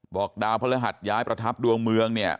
ดาวพระฤหัสย้ายประทับดวงเมืองเนี่ย